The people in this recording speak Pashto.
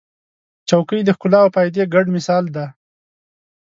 چوکۍ د ښکلا او فایده ګډ مثال دی.